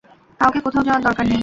কাউকে কোথাও যাওয়ার দরকার নেই।